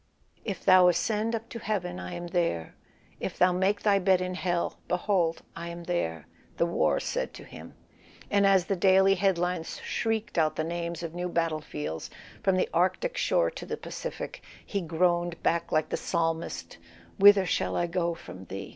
"If thou ascend up into heaven I am there; if thou make thy bed in hell, behold I am there," the war said to him; and as the daily head lines shrieked out the names of new battle fields, from the Arctic shore to the Pacific, he groaned back like the Psalmist: "Whither shall I go from thee?"